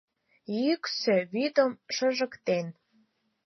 Йӱксӧ вӱдым шыжыктен